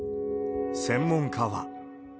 専門家は。